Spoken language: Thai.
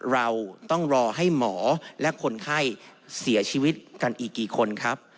เราต้องรอให้หมอและคนไข้เสียชีวิตกันอีกกี่คนครับ